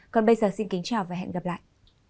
còn bây giờ xin kính chào và hẹn gặp lại